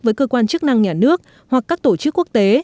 với cơ quan chức năng nhà nước hoặc các tổ chức quốc tế